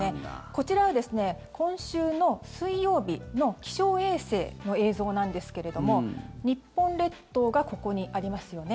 こちらはですね、今週の水曜日の気象衛星の映像なんですけれども日本列島がここにありますよね。